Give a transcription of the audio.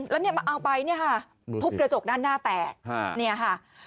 แล้วเอาไปทุกกระจกนั้นหน้าแตะ